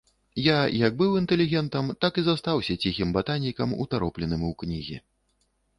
Я як быў інтэлігентам, так і застаўся ціхім батанікам, утаропленым у кнігі.